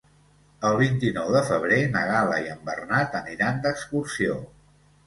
El vint-i-nou de febrer na Gal·la i en Bernat aniran d'excursió.